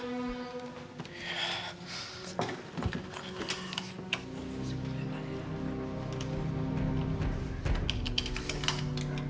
hal yang nanti mbak tepat kayak gini